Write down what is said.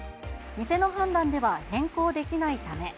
店の判断では変更できないため。